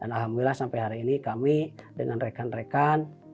alhamdulillah sampai hari ini kami dengan rekan rekan